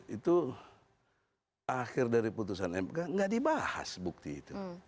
itu akhir dari putusan mk tidak dibahas bukti itu